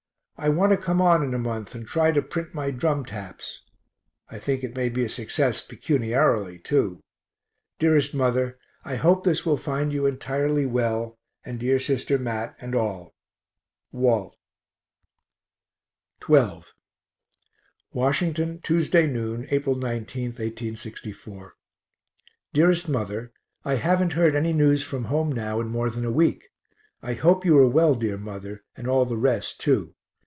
I want to come on in a month and try to print my "Drum Taps." I think it may be a success pecuniarily, too. Dearest mother, I hope this will find you entirely well, and dear sister Mat and all. WALT. XII Washington, Tuesday noon, April 19, 1864. DEAREST MOTHER I haven't heard any news from home now in more than a week. I hope you are well, dear mother, and all the rest too.